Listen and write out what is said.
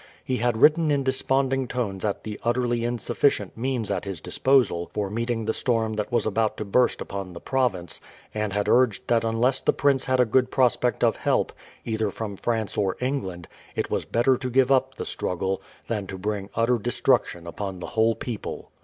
He had written in desponding tones at the utterly insufficient means at his disposal for meeting the storm that was about to burst upon the province, and had urged that unless the prince had a good prospect of help, either from France or England, it was better to give up the struggle, than to bring utter destruction upon the whole people.